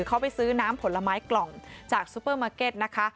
เขาไปซื้อน้ำผลไม้กล่องจากซูเปอร์มาร์เก็ตนะคะ